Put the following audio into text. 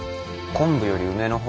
昆布より梅の方が。